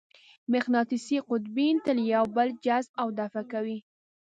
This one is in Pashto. مقناطیسي قطبین تل یو بل جذب او دفع کوي.